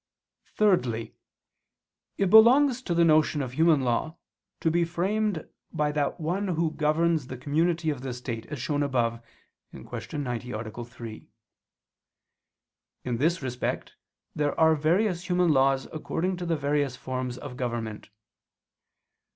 Thirdly, it belongs to the notion of human law, to be framed by that one who governs the community of the state, as shown above (Q. 90, A. 3). In this respect, there are various human laws according to the various forms of government.